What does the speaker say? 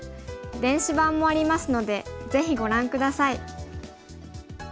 電子版もありますのでぜひご覧下さい。